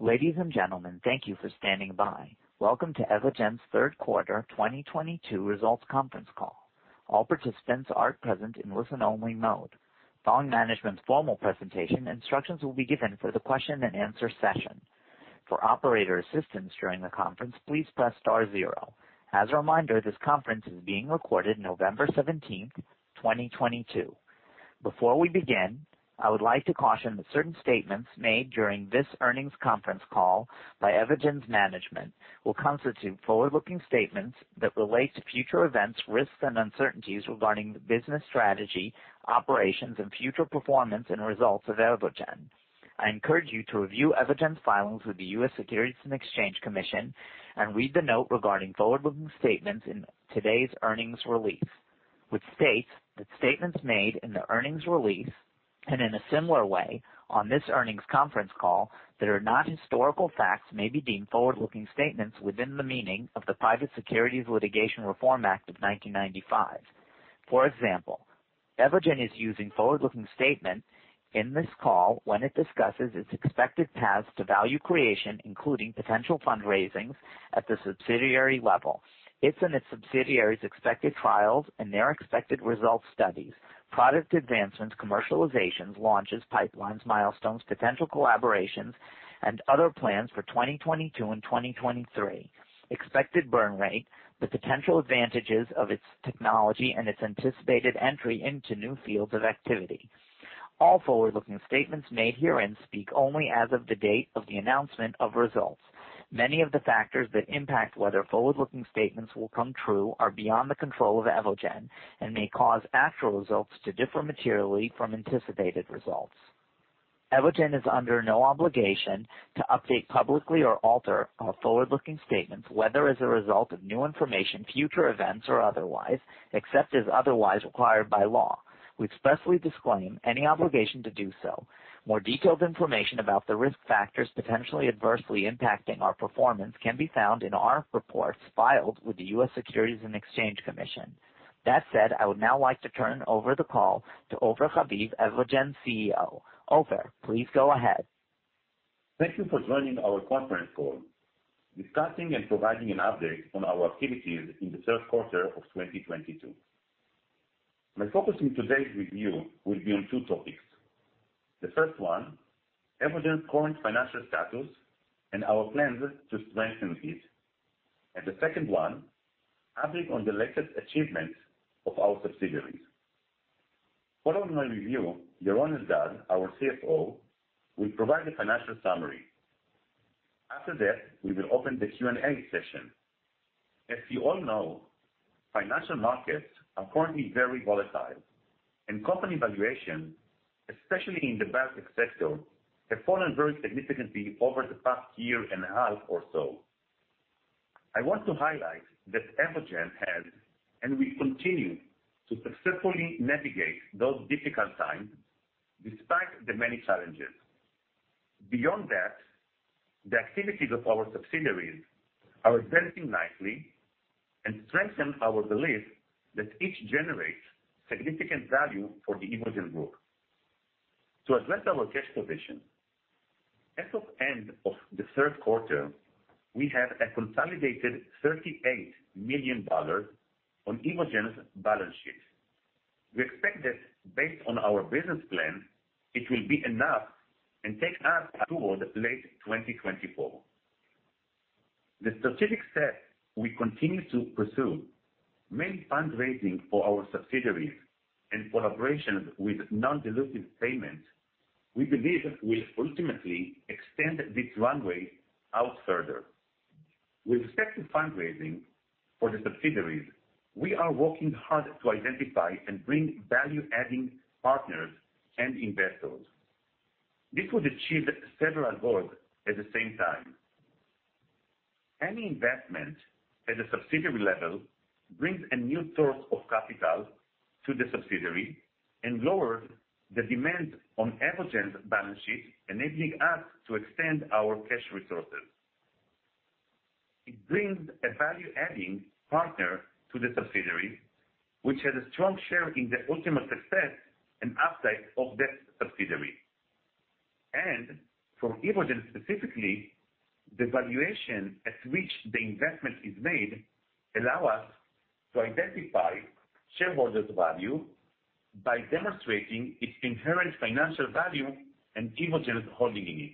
Ladies and gentlemen, thank you for standing by. Welcome to Evogene's third quarter 2022 results conference call. All participants are present in listen-only mode. Following management's formal presentation, instructions will be given for the question and answer session. For operator assistance during the conference, please press star zero. As a reminder, this conference is being recorded November 17th, 2022. Before we begin, I would like to caution that certain statements made during this earnings conference call by Evogene's management will constitute forward-looking statements that relate to future events, risks and uncertainties regarding the business strategy, operations, and future performance and results of Evogene. I encourage you to review Evogene's filings with the U.S. Securities and Exchange Commission and read the note regarding forward-looking statements in today's earnings release, which states that statements made in the earnings release, and in a similar way on this earnings conference call, that are not historical facts may be deemed forward-looking statements within the meaning of the Private Securities Litigation Reform Act of 1995. For example, Evogene is using forward-looking statement in this call when it discusses its expected paths to value creation, including potential fundraisings at the subsidiary level, its and its subsidiaries' expected trials and their expected results, studies, product advancements, commercializations, launches, pipelines, milestones, potential collaborations and other plans for 2022 and 2023, expected burn rate, the potential advantages of its technology and its anticipated entry into new fields of activity. All forward-looking statements made herein speak only as of the date of the announcement of results. Many of the factors that impact whether forward-looking statements will come true are beyond the control of Evogene and may cause actual results to differ materially from anticipated results. Evogene is under no obligation to update publicly or alter our forward-looking statements, whether as a result of new information, future events or otherwise, except as otherwise required by law. We expressly disclaim any obligation to do so. More detailed information about the risk factors potentially adversely impacting our performance can be found in our reports filed with the U.S. Securities and Exchange Commission. That said, I would now like to turn over the call to Ofer Haviv, Evogene CEO. Ofer, please go ahead. Thank you for joining our conference call, discussing and providing an update on our activities in the third quarter of 2022. My focus in today's review will be on two topics. The first one, Evogene's current financial status and our plans to strengthen it, and the second one, update on the latest achievements of our subsidiaries. Following my review, Yaron Eldad, our CFO, will provide a financial summary. After that, we will open the Q&A session. As you all know, financial markets are currently very volatile, and company valuation, especially in the biotech sector, have fallen very significantly over the past year and a half or so. I want to highlight that Evogene has, and will continue, to successfully navigate those difficult times despite the many challenges. Beyond that, the activities of our subsidiaries are advancing nicely and strengthen our belief that each generates significant value for the Evogene group. To address our cash position, as of end of the third quarter, we have a consolidated $38 million on Evogene's balance sheet. We expect that based on our business plan, it will be enough and take us toward late 2024. The strategic step we continue to pursue, main fundraising for our subsidiaries and collaborations with non-dilutive payments, we believe will ultimately extend this runway out further. With respect to fundraising for the subsidiaries, we are working hard to identify and bring value-adding partners and investors. This would achieve several goals at the same time. Any investment at a subsidiary level brings a new source of capital to the subsidiary and lower the demand on Evogene's balance sheet, enabling us to extend our cash resources. It brings a value-adding partner to the subsidiary, which has a strong share in the ultimate success and upside of that subsidiary. For Evogene specifically, the valuation at which the investment is made allow us to identify shareholders value by demonstrating its inherent financial value and Evogene's holding in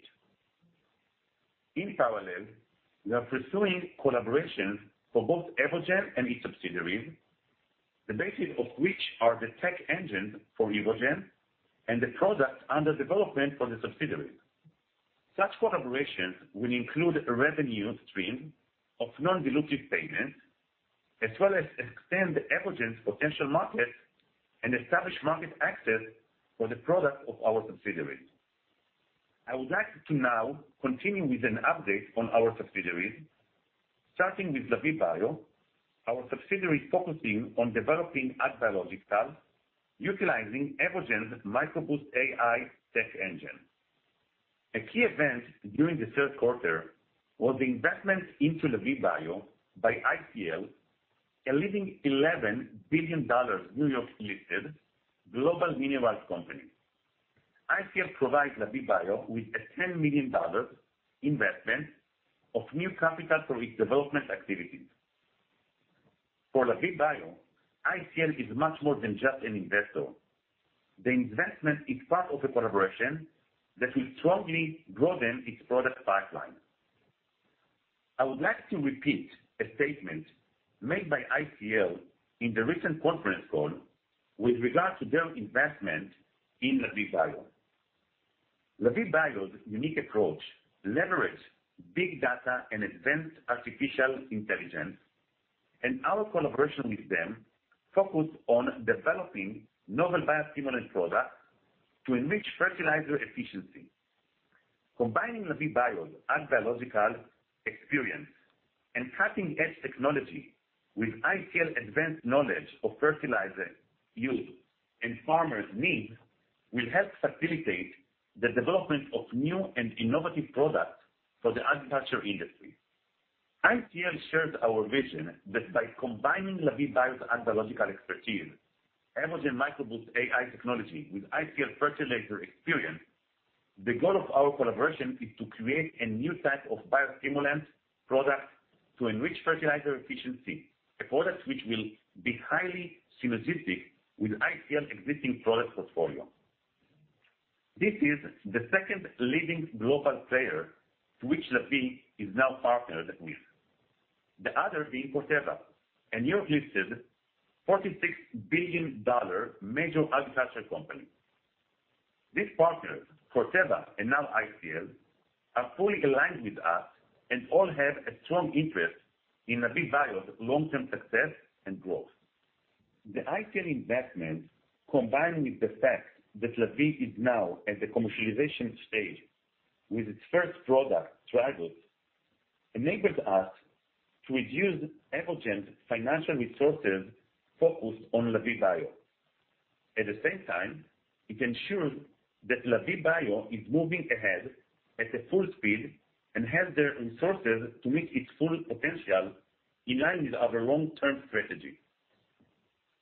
it. In parallel, we are pursuing collaborations for both Evogene and its subsidiaries, the basis of which are the tech engine for Evogene and the product under development for the subsidiary. Such collaborations will include a revenue stream of non-dilutive payments, as well as extend Evogene's potential market and establish market access for the product of our subsidiary. I would like to now continue with an update on our subsidiaries. Starting with Lavie Bio, our subsidiary focusing on developing ag-biologicals, utilizing Evogene's MicroBoost AI tech engine. A key event during the third quarter was the investment into Lavie Bio by ICL, a leading $11 billion New York-listed global minerals company. ICL provides Lavie Bio with a $10 million investment of new capital for its development activities. For Lavie Bio, ICL is much more than just an investor. The investment is part of a collaboration that will strongly broaden its product pipeline. I would like to repeat a statement made by ICL in the recent conference call with regard to their investment in Lavie Bio. Lavie Bio's unique approach leverages big data and advanced artificial intelligence. Our collaboration with them focused on developing novel biostimulant products to enrich fertilizer efficiency. Combining Lavie Bio's ag-biological experience and cutting-edge technology with ICL advanced knowledge of fertilizer use and farmers' needs will help facilitate the development of new and innovative products for the agriculture industry. ICL shares our vision that by combining Lavie Bio's ag biological expertise, Evogene MicroBoost AI technology with ICL fertilizer experience, the goal of our collaboration is to create a new type of biostimulant product to enrich fertilizer efficiency. A product which will be highly synergistic with ICL existing product portfolio. This is the second leading global player to which Lavie is now partnered with. The other being Corteva, a New York-listed $46 billion major agriculture company. These partners, Corteva and now ICL, are fully aligned with us and all have a strong interest in Lavie Bio's long-term success and growth. The ICL investment, combined with the fact that Lavie is now at the commercialization stage with its first product, Yalos, enables us to reduce Evogene's financial resources focused on Lavie Bio. At the same time, it ensures that Lavie Bio is moving ahead at a full speed and has the resources to meet its full potential in line with our long-term strategy.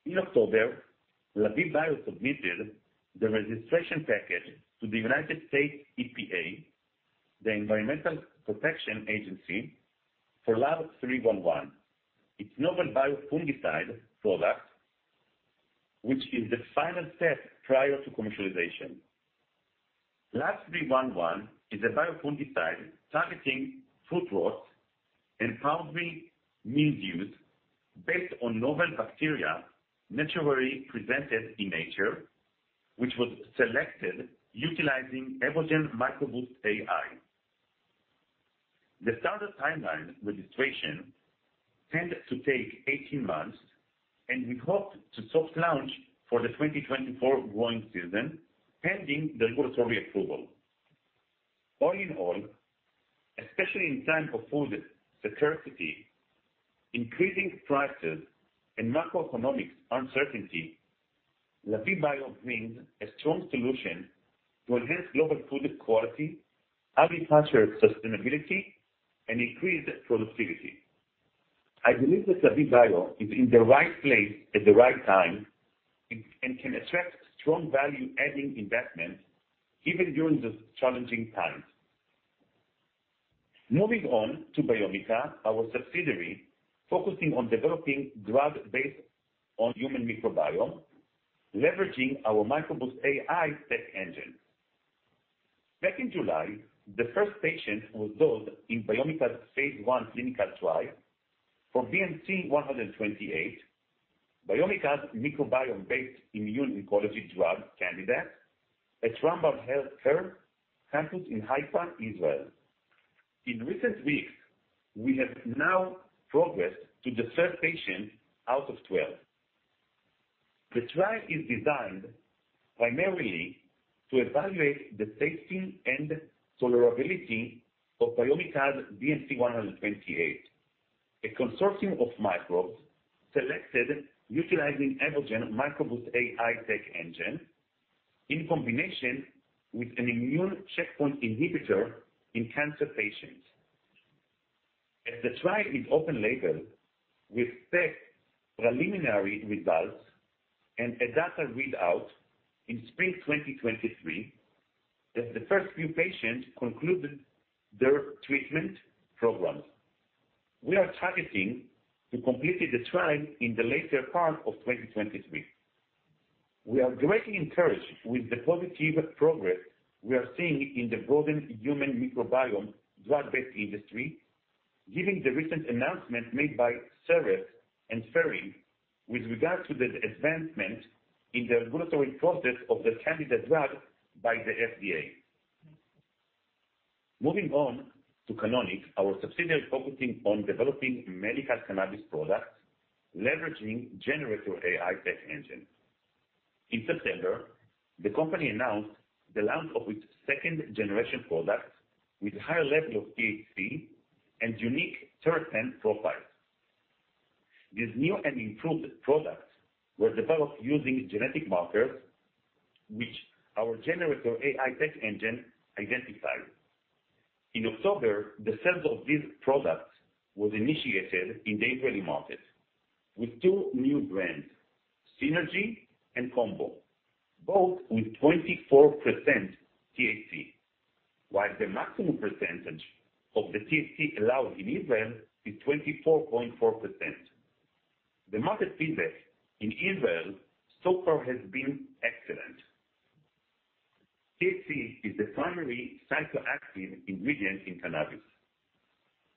In October, Lavie Bio submitted the registration package to the United States EPA, the Environmental Protection Agency, for LAV311, its novel biofungicide product, which is the final step prior to commercialization. LAV311 is a biofungicide targeting foot rot and powdery mildews based on novel bacteria naturally present in nature, which was selected utilizing Evogene MicroBoost AI. The standard timeline registration tends to take 18 months, and we hope to soft launch for the 2024 growing season, pending the regulatory approval. All in all, especially in times of food scarcity, increasing prices, and macroeconomic uncertainty, Lavie Bio brings a strong solution to enhance global food quality, agriculture sustainability, and increase productivity. I believe that Lavie Bio is in the right place at the right time and can attract strong value-adding investment even during these challenging times. Moving on to Biomica, our subsidiary focusing on developing drug based on human microbiome, leveraging our MicroBoost AI tech-engine. Back in July, the first patient was dosed in Biomica's phase I clinical trial for BMC128, Biomica's microbiome-based immuno-oncology drug candidate at Rambam Health Care Campus in Haifa, Israel. In recent weeks, we have now progressed to the third patient out of 12. The trial is designed primarily to evaluate the safety and tolerability of Biomica's BMC128, a consortium of microbes selected utilizing Evogene MicroBoost AI tech-engine in combination with an immune checkpoint inhibitor in cancer patients. As the trial is open-label, we expect preliminary results and a data readout in spring 2023, as the first few patients conclude their treatment programs. We are targeting to complete the trial in the latter part of 2023. We are greatly encouraged with the positive progress we are seeing in the growing human microbiome drug-based industry, given the recent announcement made by Seres and Ferring with regard to the advancement in the regulatory process of the candidate drug by the FDA. Moving on to Canonic, our subsidiary focusing on developing medical cannabis products, leveraging GeneRator AI tech-engine. In September, the company announced the launch of its second-generation product with higher level of THC and unique terpene profile. This new and improved product was developed using genetic markers, which our GeneRator AI tech-engine identified. In October, the sales of these products was initiated in the Israeli market with two new brands, Synergy and Combo, both with 24% THC, while the maximum percentage of the THC allowed in Israel is 24.4%. The market feedback in Israel so far has been excellent. THC is the primary psychoactive ingredient in cannabis.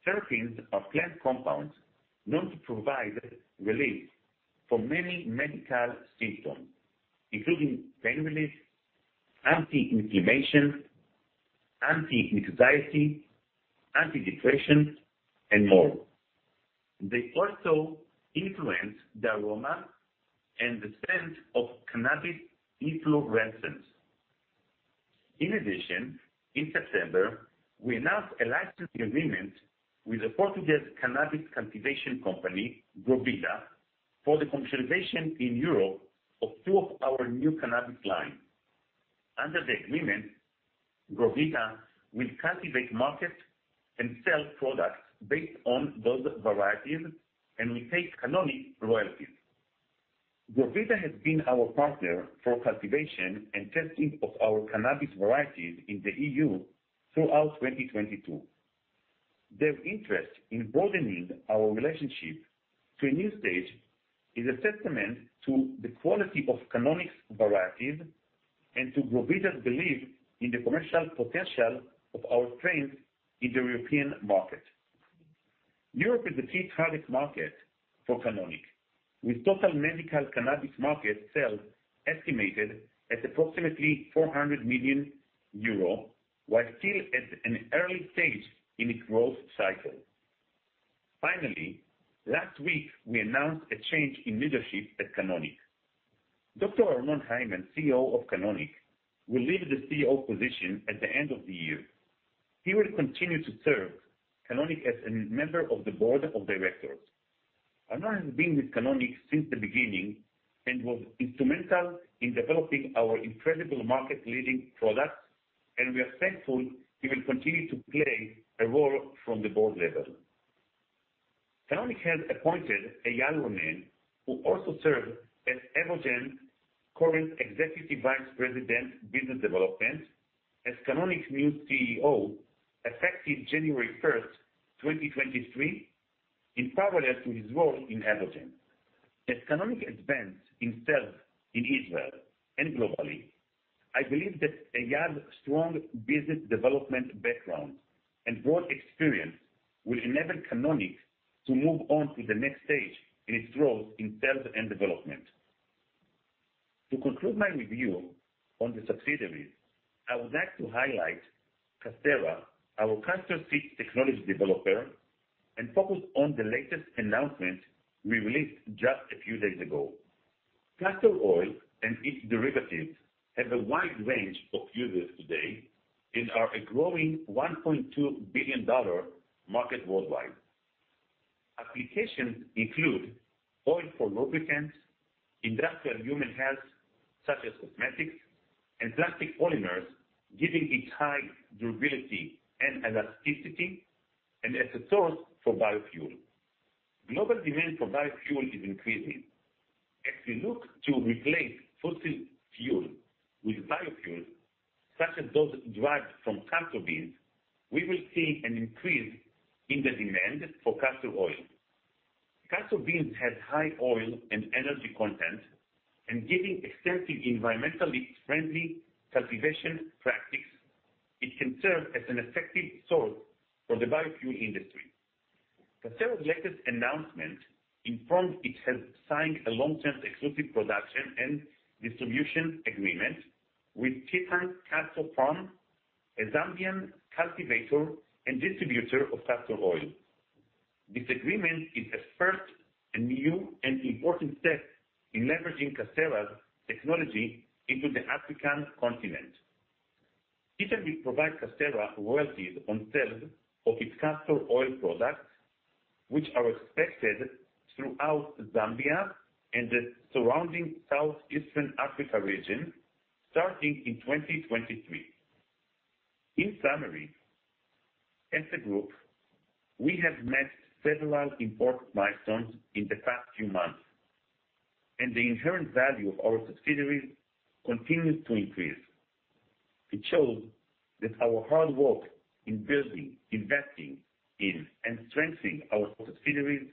Terpenes are plant compounds known to provide relief for many medical symptoms, including pain relief, anti-inflammation, anti-anxiety, anti-depression, and more. They also influence the aroma and the scent of cannabis inflorescence. In addition, in September, we announced a licensing agreement with a Portuguese cannabis cultivation company, GroVida, for the cultivation in Europe of two of our new cannabis line. Under the agreement, GroVida will cultivate, market, and sell products based on those varieties, and we take Canonic royalties. GroVida has been our partner for cultivation and testing of our cannabis varieties in the EU throughout 2022. Their interest in broadening our relationship to a new stage is a testament to the quality of Canonic's varieties and to GroVida's belief in the commercial potential of our strains in the European market. Europe is a key target market for Canonic, with total medical cannabis market sales estimated at approximately 400 million euro, while still at an early stage in its growth cycle. Finally, last week, we announced a change in leadership at Canonic. Dr. Arnon Heyman, CEO of Canonic, will leave the CEO position at the end of the year. He will continue to serve Canonic as a member of the board of directors. Arnon has been with Canonic since the beginning and was instrumental in developing our incredible market-leading products, and we are thankful he will continue to play a role from the board level. Canonic has appointed Eyal Ronen, who also served as Evogene current Executive Vice President, Business Development, as Canonic new CEO, effective January 1st, 2023, in parallel to his role in Evogene. As Canonic advance in sales in Israel and globally, I believe that Eyal's strong business development background and broad experience will enable Canonic to move on to the next stage in its growth in sales and development. To conclude my review on the subsidiaries, I would like to highlight Casterra, our castor seed technology developer, and focus on the latest announcement we released just a few days ago. Castor oil and its derivatives have a wide range of uses today and are a growing $1.2 billion market worldwide. Applications include oil for lubricants, industrial human health, such as cosmetics and plastic polymers, giving it high durability and elasticity, and as a source for biofuel. Global demand for biofuel is increasing. As we look to replace fossil fuel with biofuels, such as those derived from castor beans, we will see an increase in the demand for castor oil. Castor beans have high oil and energy content, and giving extensive environmentally friendly cultivation practices, it can serve as an effective source for the biofuel industry. Casttera's latest announcement informs it has signed a long-term exclusive production and distribution agreement with Titan Castor Farm, a Zambian cultivator and distributor of castor oil. This agreement is a first, a new, and important step in leveraging Casterra's technology into the African continent. Titan will provide Casterra royalties on sales of its castor oil products, which are expected throughout Zambia and the surrounding Southeastern Africa region starting in 2023. In summary, as a group, we have met several important milestones in the past few months, and the inherent value of our subsidiaries continues to increase. It shows that our hard work in building, investing in, and strengthening our subsidiaries,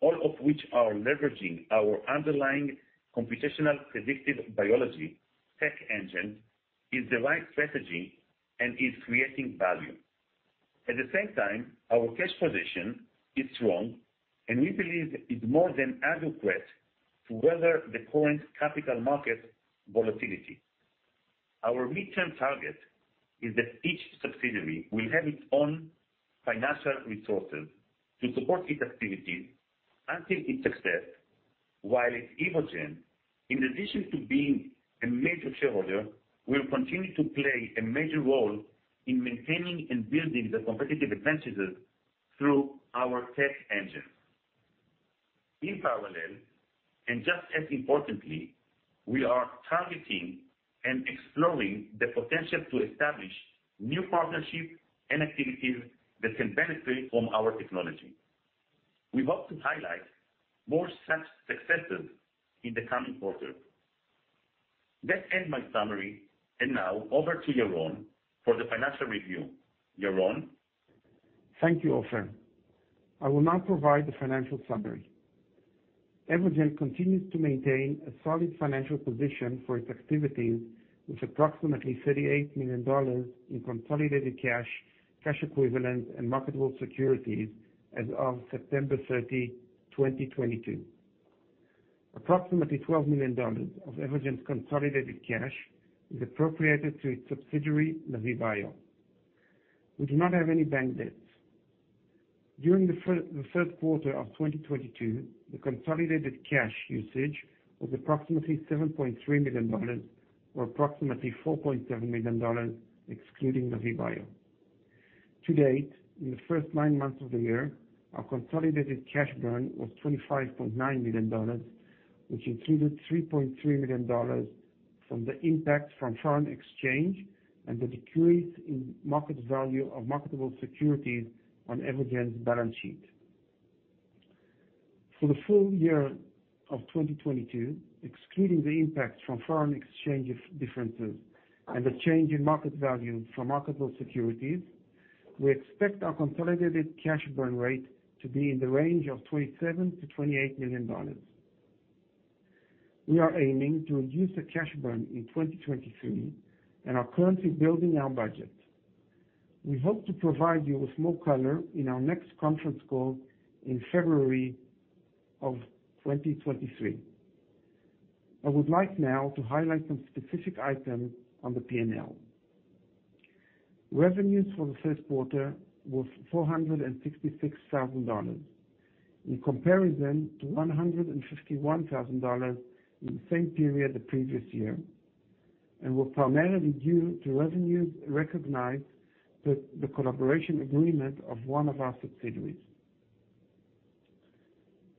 all of which are leveraging our underlying computational predictive biology tech-engine, is the right strategy and is creating value. At the same time, our cash position is strong, and we believe it's more than adequate to weather the current capital market volatility. Our midterm target is that each subsidiary will have its own financial resources to support its activity until it succeeds, while at Evogene, in addition to being a major shareholder, will continue to play a major role in maintaining and building the competitive advantages through our tech-engine. In parallel, and just as importantly, we are targeting and exploring the potential to establish new partnerships and activities that can benefit from our technology. We hope to highlight more such successes in the coming quarter. That ends my summary, and now over to Yaron for the financial review. Yaron? Thank you, Ofer. I will now provide the financial summary. Evogene continues to maintain a solid financial position for its activities, with approximately $38 million in consolidated cash, cash equivalents, and marketable securities as of September 30, 2022. Approximately $12 million of Evogene's consolidated cash is appropriated to its subsidiary, Lavie Bio. We do not have any bank debts. During the third quarter of 2022, the consolidated cash usage was approximately $7.3 million, or approximately $4.7 million excluding Lavie Bio. To date, in the first nine months of the year, our consolidated cash burn was $25.9 million, which included $3.3 million from the impact from foreign exchange and the decrease in market value of marketable securities on Evogene's balance sheet. For the full year of 2022, excluding the impact from foreign exchange differences and the change in market value for marketable securities, we expect our consolidated cash burn rate to be in the range of $27 million-$28 million. We are aiming to reduce the cash burn in 2023 and are currently building our budget. We hope to provide you with more color in our next conference call in February of 2023. I would like now to highlight some specific items on the P&L. Revenues for the first quarter were $466,000, in comparison to $151,000 in the same period the previous year, and were primarily due to revenues recognized with the collaboration agreement of one of our subsidiaries.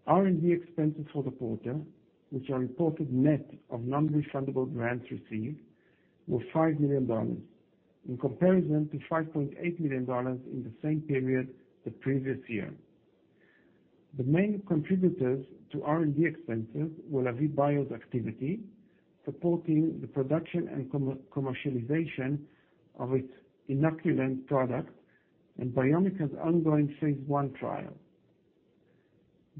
R&D expenses for the quarter, which are reported net of non-refundable grants received, were $5 million, in comparison to $5.8 million in the same period the previous year. The main contributors to R&D expenses were Lavie Bio's activity, supporting the production and commercialization of its inoculant product and Biomica's ongoing phase I trial.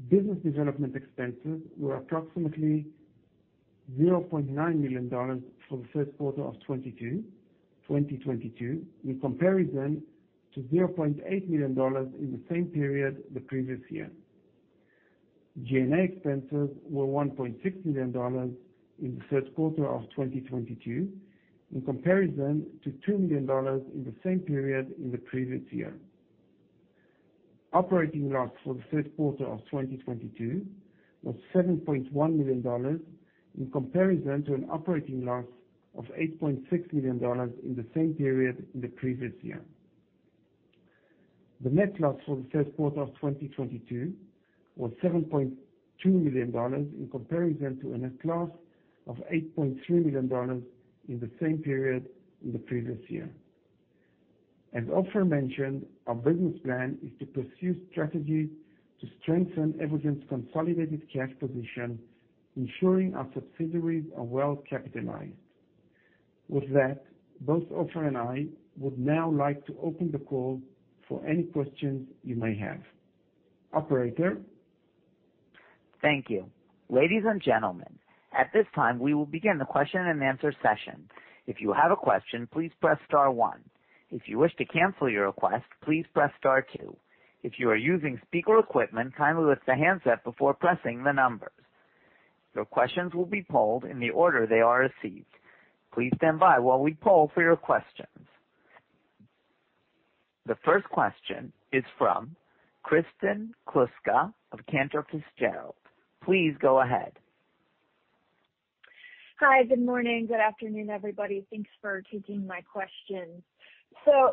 Business development expenses were approximately $0.9 million for the first quarter of 2022, in comparison to $0.8 million in the same period the previous year. G&A expenses were $1.6 million in the third quarter of 2022, in comparison to $2 million in the same period in the previous year. Operating loss for the third quarter of 2022 was $7.1 million, in comparison to an operating loss of $8.6 million in the same period in the previous year. The net loss for the first quarter of 2022 was $7.2 million, in comparison to a net loss of $8.3 million in the same period in the previous year. As Ofer mentioned, our business plan is to pursue strategies to strengthen Evogene's consolidated cash position, ensuring our subsidiaries are well-capitalized. With that, both Ofer and I would now like to open the call for any questions you may have. Operator? Thank you. Ladies and gentlemen, at this time, we will begin the question-and-answer session. If you have a question, please press star one. If you wish to cancel your request, please press star two. If you are using speaker equipment, kindly lift the handset before pressing the numbers. Your questions will be polled in the order they are received. Please stand by while we poll for your questions. The first question is from Kristen Kluska of Cantor Fitzgerald. Please go ahead. Hi. Good morning. Good afternoon, everybody. Thanks for taking my questions.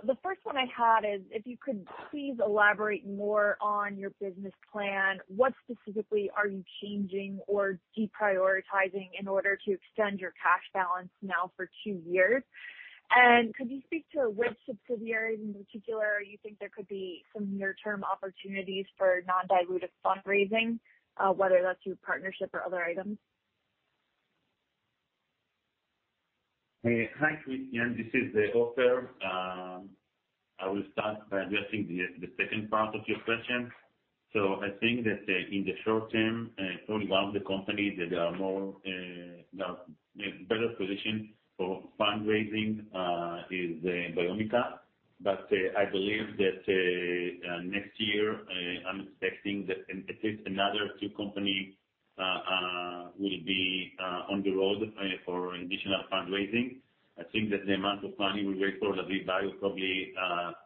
The first one I had is if you could please elaborate more on your business plan. What specifically are you changing or deprioritizing in order to extend your cash balance now for two years? Could you speak to which subsidiaries in particular you think there could be some near-term opportunities for non-dilutive fundraising, whether that's through partnership or other items? Hi, Kristen. This is Ofer. I will start by addressing the second part of your question. I think that in the short term, only one of the companies that is better positioned for fundraising is Biomica. I believe that next year, I'm expecting that at least another two company will be on the road for additional fundraising. I think that the amount of money we raised for Lavie Bio probably,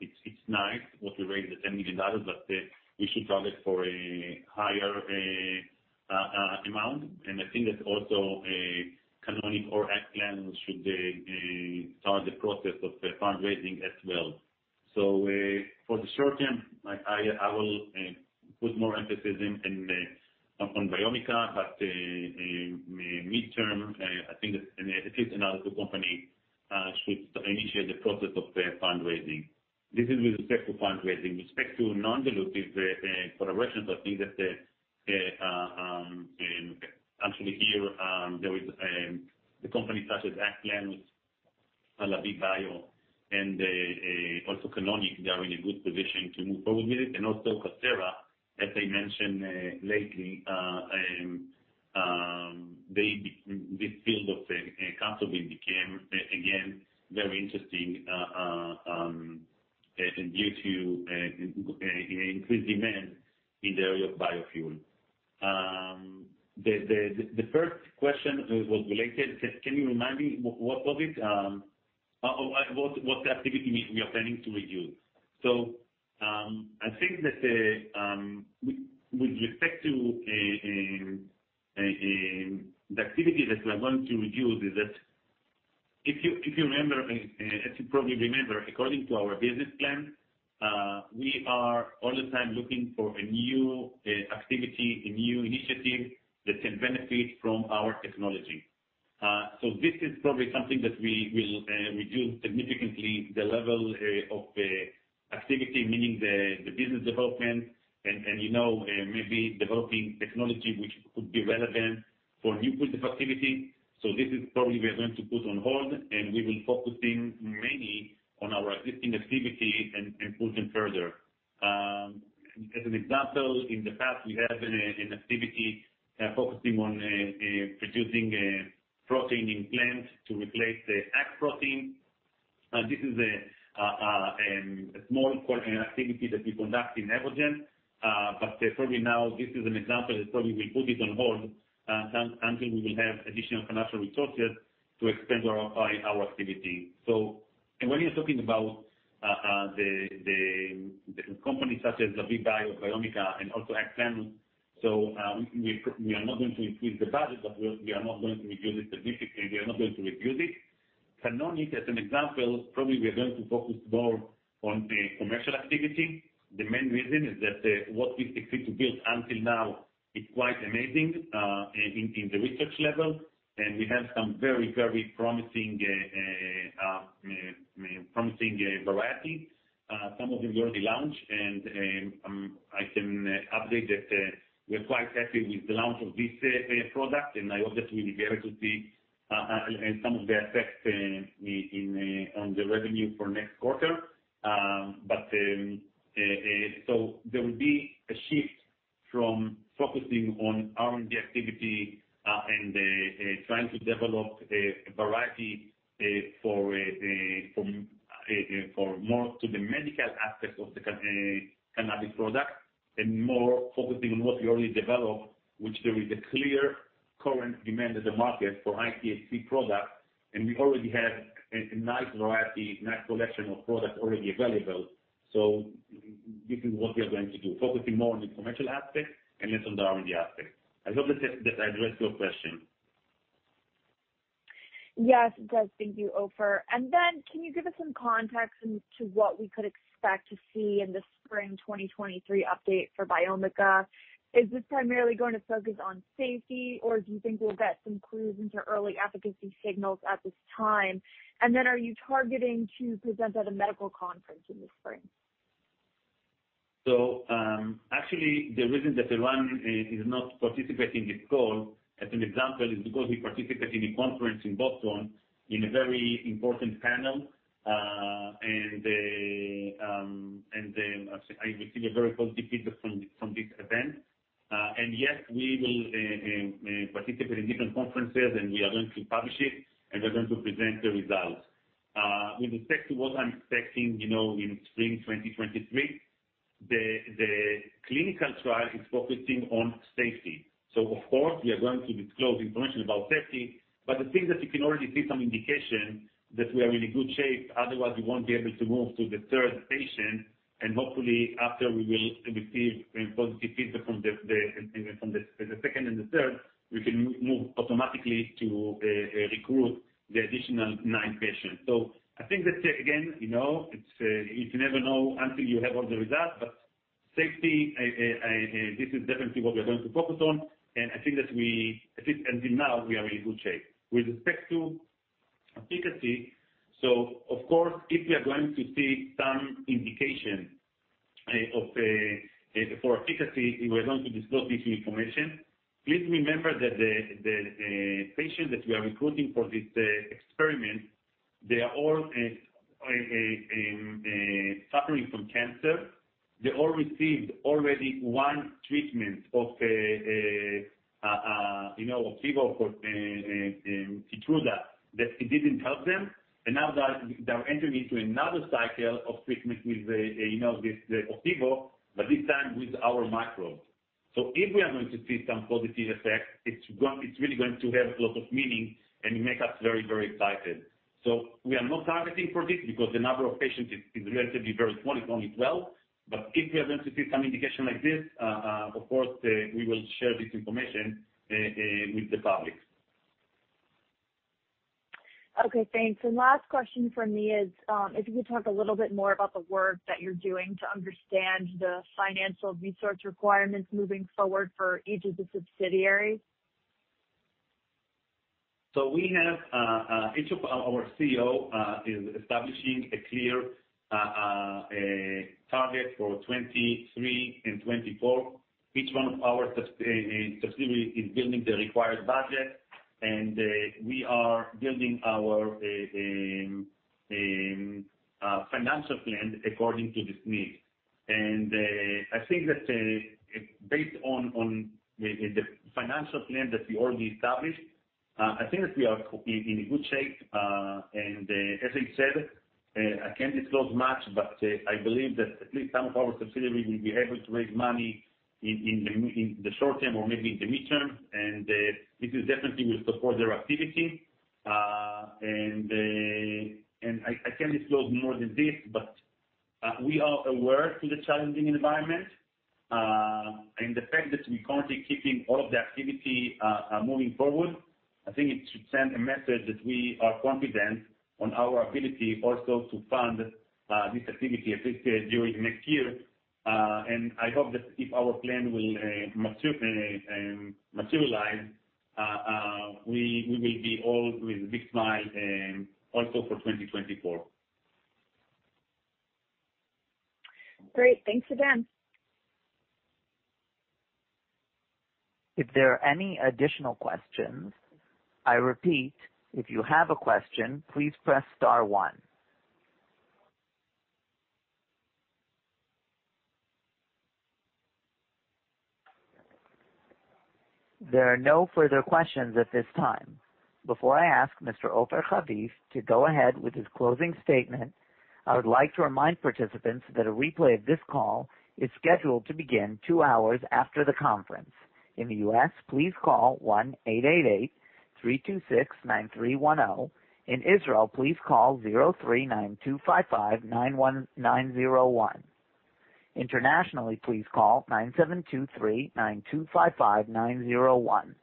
it's nice what we raised, the $10 million, but we should target for a higher amount, and I think that also Canonic or AgPlenus should start the process of fundraising as well. For the short term, I will put more emphasis on Biomica, but midterm, I think that at least another company should initiate the process of fundraising. This is with respect to fundraising. With respect to non-dilutive collaborations, I think that actually here, there is the company such as AgPlenus, Lavie Bio, and also Canonic, they are in a good position to move forward with it. Also Casterra, as I mentioned lately, this field of castor became again very interesting due to increased demand in the area of biofuel. The first question was related. Can you remind me what was it? What activity we are planning to reduce? I think that, with respect to the activity that we are going to reduce is that if you remember, as you probably remember, according to our business plan, we are all the time looking for a new activity, a new initiative that can benefit from our technology. This is probably something that we will reduce significantly the level of activity, meaning the business development and, you know, maybe developing technology which could be relevant for new business activity. This is probably we are going to put on hold, and we will focusing mainly on our existing activity and put them further. As an example, in the past, we have an activity focusing on producing protein in plant to replace the egg protein. This is a small core activity that we conduct in Evogene. Probably now this is an example that probably we put it on hold until we will have additional financial resources to expand our activity. When you're talking about the companies such as Lavie Bio, Biomica and also AgPlenus, so we are not going to increase the budget, but we are not going to reduce it significantly. We are not going to reduce it. Canonic, as an example, probably we are going to focus more on the commercial activity. The main reason is that what we succeed to build until now is quite amazing in the research level, and we have some very, very promising variety. Some of them we already launched. I can update that we are quite happy with the launch of this product. I hope that we will be able to see some of the effects on the revenue for next quarter. There will be a shift from focusing on R&D activity and trying to develop a variety for more to the medical aspects of the cannabis product, and more focusing on what we already developed, which there is a clear current demand in the market for THC product, and we already have a nice variety, nice collection of products already available. This is what we are going to do, focusing more on the commercial aspect and less on the R&D aspect. I hope that addressed your question. Yes, it does. Thank you, Ofer. Can you give us some context into what we could expect to see in the spring 2023 update for Biomica? Is this primarily going to focus on safety, or do you think we'll get some clues into early efficacy signals at this time? Are you targeting to present at a medical conference in the spring? Actually, the reason that Elran is not participating in this call, as an example, is because he participated in a conference in Boston in a very important panel. I received a very positive feedback from this event. Yes, we will participate in different conferences, and we are going to publish it, and we're going to present the results. With respect to what I'm expecting, you know, in spring 2023, the clinical trial is focusing on safety. Of course we are going to disclose information about safety, but I think that you can already see some indication that we are in a good shape. Otherwise, we won't be able to move to the third patient. Hopefully after we will receive a positive feedback from the second and the third, we can move automatically to recruit the additional nine patients. I think that, again, you know, you never know until you have all the results, but safety, this is definitely what we are going to focus on. I think that we, at least until now, we are in good shape. With respect to efficacy, of course, if we are going to see some indication for efficacy, we are going to disclose this information. Please remember that the patient that we are recruiting for this experiment, they are all suffering from cancer. They all received already one treatment, you know, of Opdivo, Keytruda, that it didn't help them. Now they are entering into another cycle of treatment, you know, with the Opdivo, but this time with our microbes. If we are going to see some positive effect, it's really going to have a lot of meaning and make us very, very excited. We are not targeting for this because the number of patients is relatively very small. It's only 12. If we are going to see some indication like this, of course, we will share this information with the public. Okay, thanks. Last question from me is if you could talk a little bit more about the work that you're doing to understand the financial resource requirements moving forward for each of the subsidiaries. Each of our CEOs is establishing a clear target for 2023 and 2024. Each one of our subsidiaries is building the required budget, and we are building our financial plan according to this need. I think that based on the financial plan that we already established, I think that we are in good shape. As I said, I can't disclose much, but I believe that at least some of our subsidiaries will be able to raise money in the short term or maybe in the mid-term. This definitely will support their activity. I can't disclose more than this, but we are aware to the challenging environment and the fact that we currently keeping all of the activity moving forward. I think it should send a message that we are confident on our ability also to fund this activity, at least during next year. I hope that if our plan will materialize, we will be all with big smile also for 2024. Great. Thanks again. If there are any additional questions. I repeat, if you have a question, please press star one. There are no further questions at this time. Before I ask Mr. Ofer Haviv to go ahead with his closing statement, I would like to remind participants that a replay of this call is scheduled to begin two hours after the conference. In the U.S., please call 1-888-326-9310. In Israel, please call 03-925-5901. Internationally, please call 972-3-925-5901.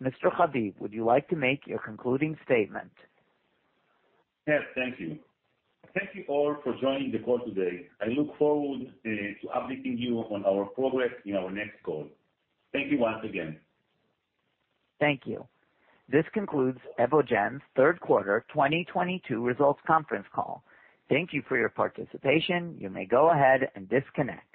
Mr. Haviv, would you like to make your concluding statement? Yes. Thank you. Thank you all for joining the call today. I look forward to updating you on our progress in our next call. Thank you once again. Thank you. This concludes Evogene's third quarter 2022 results conference call. Thank you for your participation. You may go ahead and disconnect.